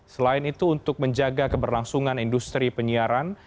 selain itu untuk menjaga keberlangsungan industri penyiaran